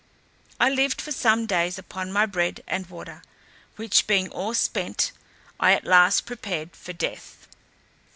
I lived for some days upon my bread and water, which being all spent, I at last prepared for death.